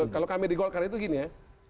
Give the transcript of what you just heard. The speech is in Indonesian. kalau kami di golkar itu gini ya